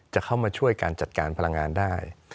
จะเข้ามาช่วยการจัดการพลังงานได้